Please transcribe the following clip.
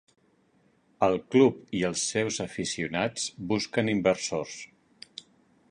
El club i els seus aficionats busquen inversors.